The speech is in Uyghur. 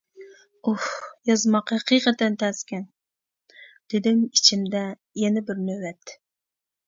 «ئۇھ، يازماق ھەقىقەتەن تەسكەن! » دېدىم ئىچىمدە يەنە بىر نۆۋەت.